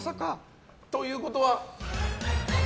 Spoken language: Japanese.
ということは？